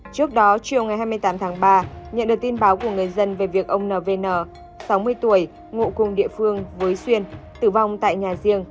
trước đó chiều ngày hai mươi tám tháng ba nhận được tin báo của người dân về việc ông nvn sáu mươi tuổi ngụ cùng địa phương với xuyên tử vong tại nhà riêng